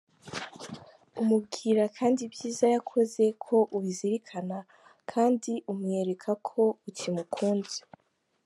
Umubwira kandi ibyiza yakoze ko ukibizirikana kandi umwereka ko ukimukunze.